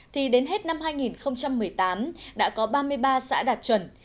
thì đến hết năm hai nghìn một mươi tám đã có ba mươi ba xã đạt chuẩn